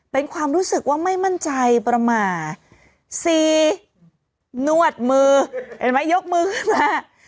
เป็นความรู้สึกว่าไม่มั่นใจประมาณสี่นวดมือเห็นไหมยกมือขึ้นมา